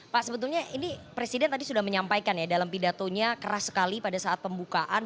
pak sebetulnya ini presiden tadi sudah menyampaikan ya dalam pidatonya keras sekali pada saat pembukaan